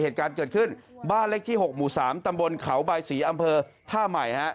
เหตุการณ์เกิดขึ้นบ้านเลขที่๖หมู่๓ตำบลเขาบายศรีอำเภอท่าใหม่ฮะ